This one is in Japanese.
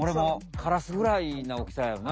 カラスぐらいなおおきさやな。